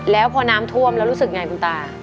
แล้วพอน้ำท่วมแล้วรู้สึกไงคุณตา